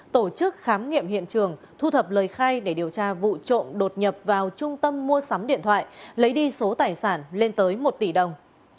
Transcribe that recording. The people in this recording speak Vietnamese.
tổ chức khám nghiệm hiện trường thu thập lời khai để điều tra vụ trộm đột nhập vào trung tâm mua sắm điện thoại lấy đi số tài sản lên tới một tỷ đồng